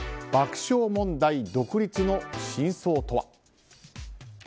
爆笑問題独立の真相とは。